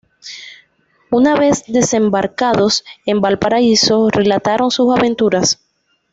Una vez desembarcados en Valparaíso, relataron sus aventuras.